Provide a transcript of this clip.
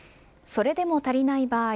それでも足りない場合